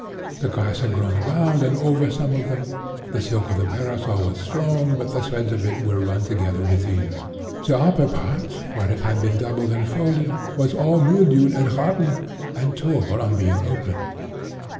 The grass had grown around and over some of them. The silk of the parasol was strong, but the threads of it were run together within. The upper part, where it had been doubled and folded, was all mildewed and rotten, and tore on being opened.